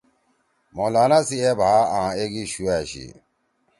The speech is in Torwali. مولانا سی اے بھا آں ایگی شُو أشی۔